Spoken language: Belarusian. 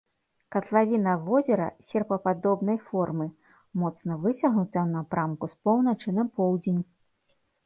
Катлавіна возера серпападобнай формы, моцна выцягнутая ў напрамку з поўначы на поўдзень.